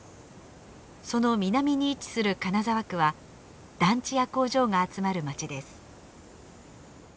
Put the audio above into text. その南に位置する金沢区は団地や工場が集まる街です。